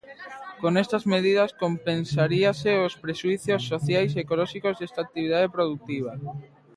Con estas medidas compensaríase os prexuízos sociais e ecolóxicos desta actividade produtiva.